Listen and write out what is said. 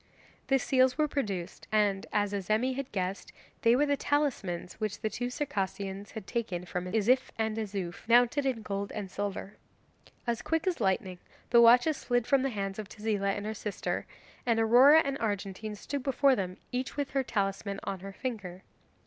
The seals were produced, and, as Azemi had guessed, they were the talismans which the two Circassians had taken from Izif and Izouf, mounted in gold and silver. As quick as lightning the watches slid from the hands of Tezila and her sister, and Aurora and Argentine stood before them, each with her talisman on her finger.